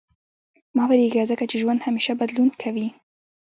• مه وېرېږه، ځکه چې ژوند همېشه بدلون کوي.